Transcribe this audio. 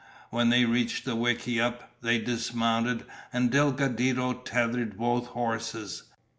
When they reached the wickiup, they dismounted and Delgadito tethered both horses.